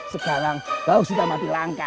sekarang bau sudah mati langka